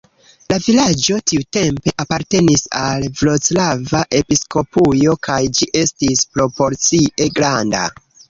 La vilaĝo tiutempe apartenis al vroclava episkopujo kaj ĝi estis proporcie granda.